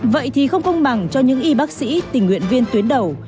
vậy thì không công bằng cho những y bác sĩ tình nguyện viên tuyến đầu